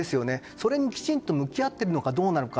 それにきちんと向き合ってるのかどうなのか。